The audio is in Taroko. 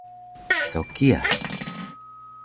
So kiya